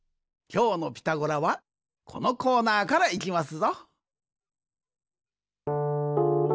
きょうの「ピタゴラ」はこのコーナーからいきますぞ。